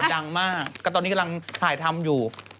ดังมากก็ตอนนี้กำลังถ่ายทำอยู่